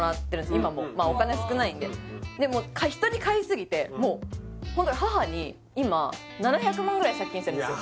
今もまあお金少ないんででも人に買いすぎてもうホント母に今７００万ぐらい借金してるんですよ